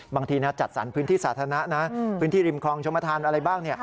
บางทีจัดสรรพื้นที่สาธารณะนะพื้นที่ริมคลองชมธานอะไรบ้าง